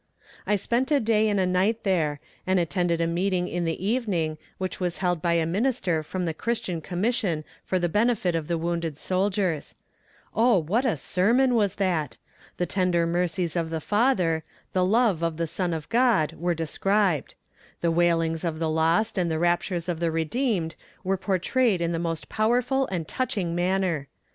I spent a day and a night there, and attended a meeting in the evening, which was held by a minister from the Christian Commission for the benefit of the wounded soldiers. Oh, what a sermon was that! The tender mercies of the Father, the love of the Son of God, were described; the wailings of the lost and the raptures of the redeemed were portrayed in the most powerful and touching manner.